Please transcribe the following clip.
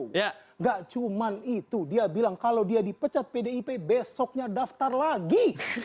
dan kemudian pak budiman itu dia bilang kalau dia dipecat pdip besoknya daftar lagi